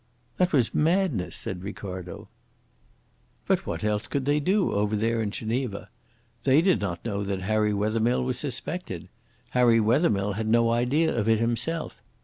"That was madness," said Ricardo. "But what else could they do over there in Geneva? They did not know that Harry Wethermill was suspected. Harry Wethermill had no idea of it himself.